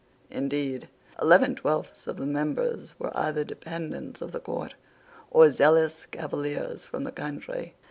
Indeed, eleven twelfths of the members were either dependents of the court, or zealous Cavaliers from the country.